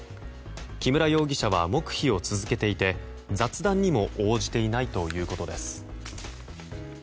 木村容疑者は黙秘を続けていて雑談にも応じていないということです。